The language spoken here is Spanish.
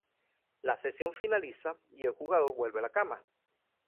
La sesión finaliza y el jugador vuelve a la cama.